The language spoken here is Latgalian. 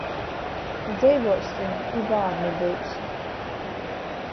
Dzeivuosim, i bārni byus.